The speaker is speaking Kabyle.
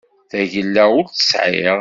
Tagella ur tt-sɛiɣ.